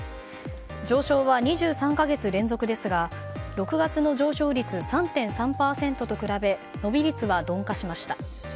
上昇は２３か月連続ですが６月の上昇率３．３％と比べ伸び率は鈍化しました。